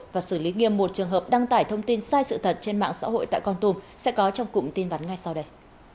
và xử lý nghiêm một trường hợp đăng tải thông tin sai sự thật trên mạng xã hội tại con tùm sẽ có trong cụm tin vắn ngay sau đây